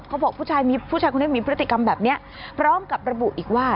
ผู้ชายมีผู้ชายคนนี้มีพฤติกรรมแบบนี้พร้อมกับระบุอีกว่า